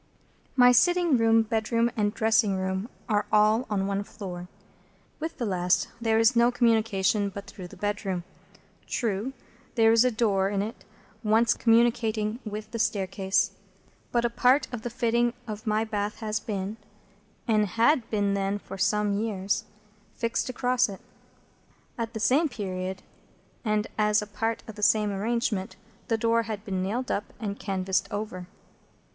My sitting room, bedroom, and dressing room, are all on one floor. With the last there is no communication but through the bedroom. True, there is a door in it, once communicating with the staircase; but a part of the fitting of my bath has been—and had then been for some years—fixed across it. At the same period, and as a part of the same arrangement,—the door had been nailed up and canvased over.